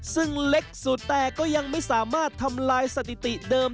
ซึ่งเล็กสุดแต่ก็ยังไม่สามารถทำลายสถิติเดิม